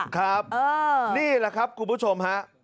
ครับนี่แหละครับคุณผู้ชมฮะ